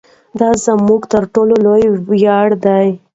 دا زموږ تر ټولو لوی ویاړ دی.